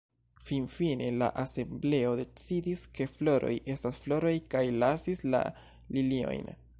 Finfine la asembleo decidis, ke floroj estas floroj kaj lasis la liliojn.